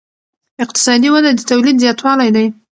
اقتصادي وده د تولید زیاتوالی دی.